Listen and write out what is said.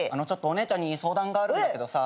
お姉ちゃんに相談があるんだけどさ